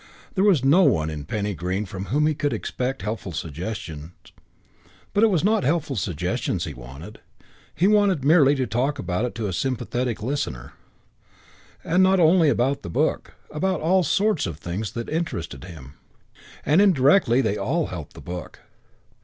There was no one in Penny Green from whom he could expect helpful suggestions; but it was not helpful suggestions he wanted. He wanted merely to talk about it to a sympathetic listener. And not only about the book, about all sorts of things that interested him. And indirectly they all helped the book.